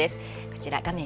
こちら画面